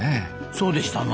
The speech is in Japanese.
そうでしたな。